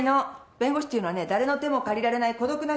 弁護士っていうのはね誰の手も借りられない孤独な仕事なの。